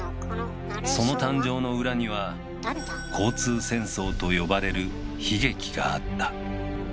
その誕生の裏には「交通戦争」と呼ばれる悲劇があった。